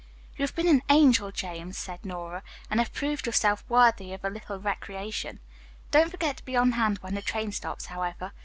"You have been an angel, James," said Nora, "and have proved yourself worthy of a little recreation. Don't forget to be on hand when the train stops, however.